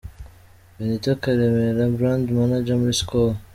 Benito Karemera, Brand Manager muri Skol.